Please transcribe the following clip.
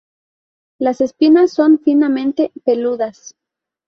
Las espinas son finamente peludas.